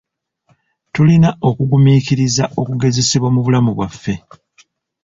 Tulina okugumiikiriza okugezesebwa mu bulamu bwaffe.